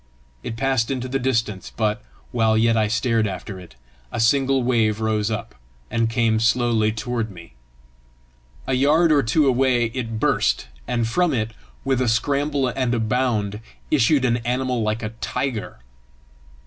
It passed into the distance; but, while yet I stared after it, a single wave rose up, and came slowly toward me. A yard or two away it burst, and from it, with a scramble and a bound, issued an animal like a tiger.